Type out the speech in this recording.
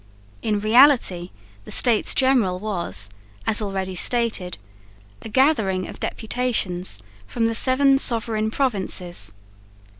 In reality the States General was, as already stated, a gathering of deputations from the seven sovereign provinces.